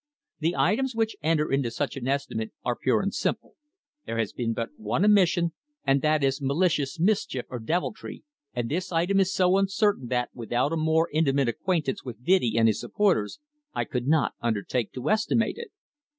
The items which enter into such an estimate are pure and simple. There has been but one omission, and that is malicious mischief or deviltry, and this item is so uncertain that, without a more intimate acquaintance with "Vidi" and his supporters, I could not undertake to estimate it.